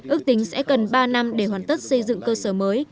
ước tính sẽ cần ba năm để hoàn tất xây dựng cơ sở mới